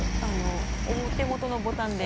お手元のボタンで。